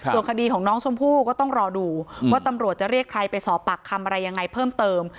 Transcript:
ส่วนคดีของน้องชมพู่ก็ต้องรอดูว่าตำรวจจะเรียกใครไปสอบปากคำอะไรยังไงเพิ่มเติม